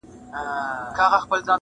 هو پاچا ملا وزیر ملا سهي ده,